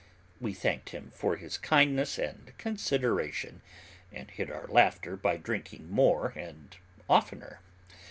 We thanked him for his kindness and consideration, and hid our laughter by drinking more and oftener.